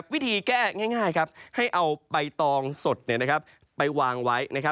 วิธีแก้ง่ายให้เอาใบตองสดไปวางไว้